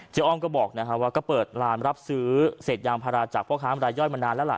อ้อมก็บอกว่าก็เปิดร้านรับซื้อเศษยางพาราจากพ่อค้ามรายย่อยมานานแล้วล่ะ